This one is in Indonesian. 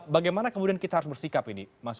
bagaimana kemudian kita harus bersikap ini mas